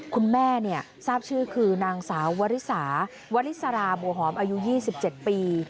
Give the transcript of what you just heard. คุณแม่ทราบชื่อคือนางสาววริสาวริสราบัวหอมอายุ๒๗ปี